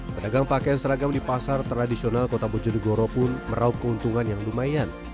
pedagang pakaian seragam di pasar tradisional kota bojonegoro pun meraup keuntungan yang lumayan